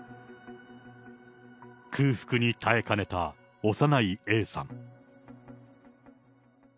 空腹に耐えかねた幼いＡさん。